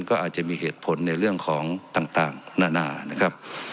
ก็อาจจะมีเหตุผลในเรื่องของต่างนานานะครับ